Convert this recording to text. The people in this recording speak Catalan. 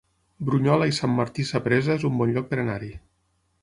Brunyola i Sant Martí Sapresa es un bon lloc per anar-hi